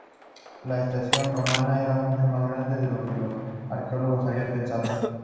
La estación romana era mucho más grande de lo que los arqueólogos habían pensado.